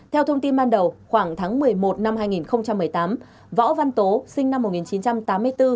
theo thông tin ban đầu khoảng tháng một mươi một năm hai nghìn một mươi tám võ văn tố sinh năm một nghìn chín trăm tám mươi bốn